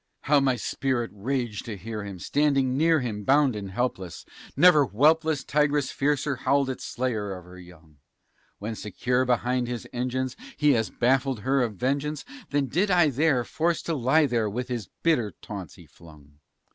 How my spirit raged to hear him, standing near him bound and helpless! Never whelpless tigress fiercer howled at slayer of her young, When secure behind his engines, he has baffled her of vengeance, Than did I there, forced to lie there while his bitter taunts he flung.